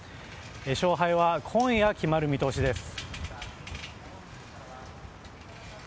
勝敗は今夜決まる見通しです。